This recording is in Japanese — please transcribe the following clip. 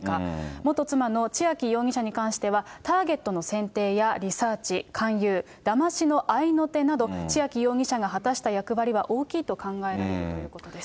元妻の千秋容疑者に関しては、ターゲットの選定やリサーチ、勧誘、だましの合いの手など、千秋容疑者が果たした役割は大きいと考えられるということです。